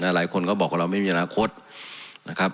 หลายคนก็บอกว่าเราไม่มีอนาคตนะครับ